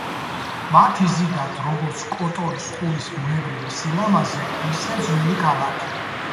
მათ იზიდავთ როგორც კოტორის ყურის ბუნებრივი სილამაზე, ისე ძველი ქალაქი.